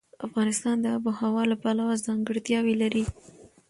افغانستان د آب وهوا له پلوه ځانګړتیاوې لري.